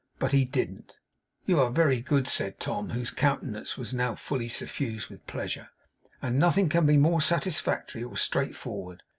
But he didn't. 'You are very good,' said Tom, whose countenance was now suffused with pleasure; 'and nothing can be more satisfactory or straightforward.